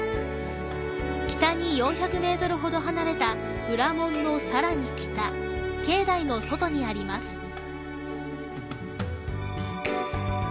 北に４００ｍほど離れた裏門のさらに北、境内の外にあります。